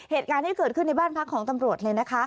เหตุการณ์ที่เกิดขึ้นในบ้านพักของตำรวจเลยนะคะ